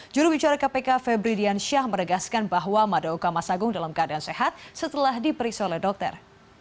jurubicara kpk febri dian syah meregaskan bahwa mada okama sagung dalam keadaan sehat setelah diperiksa oleh dokter